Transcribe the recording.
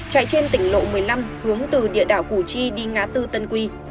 chạy trên tỉnh lộ một mươi năm hướng từ địa đạo củ chi đi ngã tư tân quy